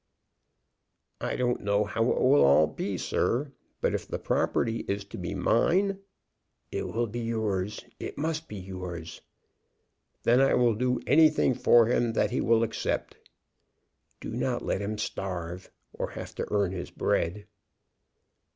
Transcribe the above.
"I don't know how it will all be, sir; but if the property is to be mine " "It will be yours; it must be yours." "Then I will do anything for him that he will accept." "Do not let him starve, or have to earn his bread."